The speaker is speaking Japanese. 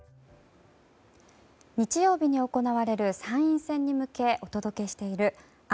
日曜日に行われる参院選に向け、お届けしているＵ‐１７